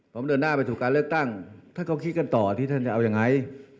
ผมเดินหน้าไปสู่การเลือกตั้งท่านก็คิดกันต่อที่ท่านจะเอายังไง